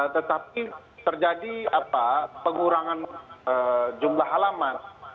tetapi terjadi pengurangan jumlah halaman